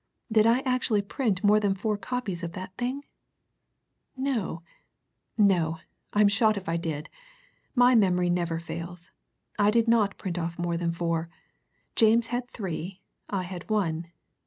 "Did I actually print more than four copies of that thing! No no! I'm shot if I did. My memory never fails. I did not print off more than four. James had three; I had one.